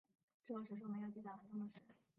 之后史书没有记载韩忠的事。